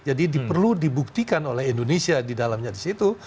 jadi perlu dibuktikan oleh indonesia di dalamnya disitu